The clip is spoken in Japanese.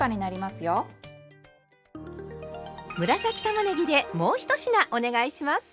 紫たまねぎでもう１品お願いします！